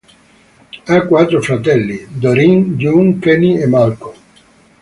Ha quattro fratelli, Doreen, June, Kenny e Malcolm.